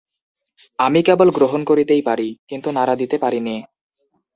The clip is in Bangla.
আমি কেবল গ্রহণ করতেই পারি, কিন্তু নাড়া দিতে পারি নে।